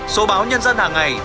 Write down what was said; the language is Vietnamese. số báo nhân dân hàng ngày